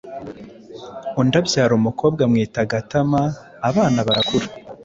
Undi abyara umukobwa amwita Gatama. Abana barakura,